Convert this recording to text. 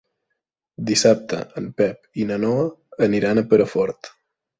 Dissabte en Pep i na Noa aniran a Perafort.